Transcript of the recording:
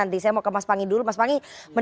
terima kasih anda mas imin